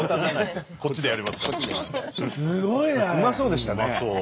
うまそうでしたね。